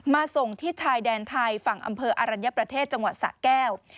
ส่งที่ชายแดนไทยฝั่งอำเภออรัญญประเทศจังหวัดสะแก้ว